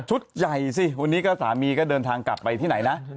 ใหญ่สิวันนี้ก็สามีก็เดินทางกลับไปที่ไหนนะ